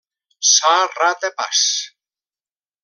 Ça rata pas.